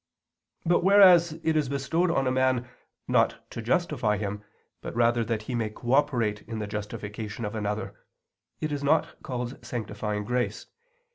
But whereas it is bestowed on a man, not to justify him, but rather that he may cooperate in the justification of another, it is not called sanctifying grace.